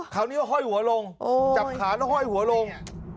คราวนี้ก็ห้อยหัวลงจับขาแล้วห้อยหัวลง